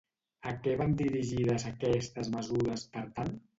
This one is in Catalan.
A què van dirigides aquestes mesures, per tant?